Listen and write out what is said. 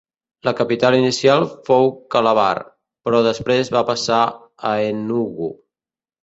La capital inicial fou Calabar, però després va passar a Enugu.